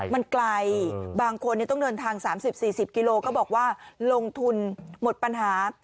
มันไกลบางคนต้องเดินทาง๓๐๔๐กิโลก็บอกว่าลงทุนหมดปัญหา